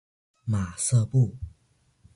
马瑟布。